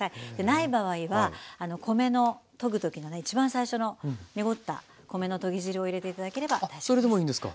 ない場合は米のとぐ時のねいちばん最初の濁った米のとぎ汁を入れて頂ければ大丈夫です。